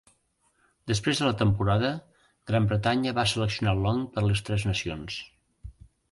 Després de la temporada, Gran Bretanya va seleccionar Long per a les Tres Nacions.